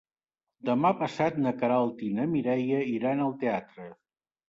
Demà passat na Queralt i na Mireia iran al teatre.